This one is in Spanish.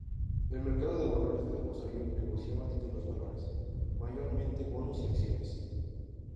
El Mercado de Valores de Rosario negociaba títulos valores, mayormente bonos y acciones.